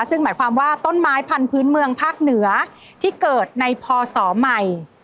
ซึ่งหมายความว่าต้นไม้พันธุ์เมืองภาคเหนือที่เกิดในพศใหม่